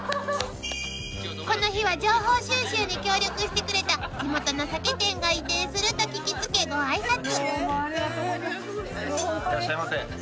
［この日は情報収集に協力してくれた地元の酒店が移転すると聞き付けご挨拶］